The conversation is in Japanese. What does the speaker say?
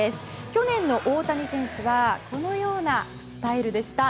去年の大谷選手はこのようなスタイルでした。